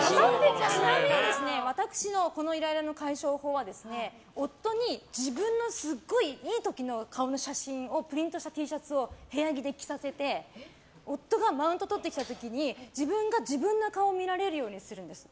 ちなみに私のこのイライラの解消法は夫に自分のすごいいい時の顔の写真をプリントしたＴシャツを部屋着で着させて夫がマウント取ってきた時に自分が自分の顔を見られるようにするんです。